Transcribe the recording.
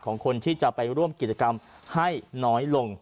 ของคนที่จะไปร่วมกิจกรรมให้น้อยลง